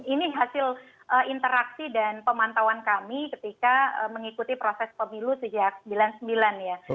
ini hasil interaksi dan pemantauan kami ketika mengikuti proses pemilu sejak seribu sembilan ratus sembilan puluh sembilan ya